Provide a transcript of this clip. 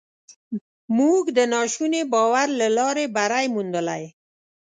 موږ د ناشوني باور له لارې بری موندلی.